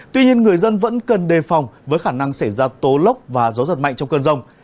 tuy nhiên người dân vẫn cần đề phòng với khả năng xảy ra tố lốc và gió giật mạnh trong cơn rông